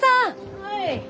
・はい！